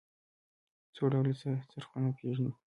څو ډوله څرخونه پيژنئ.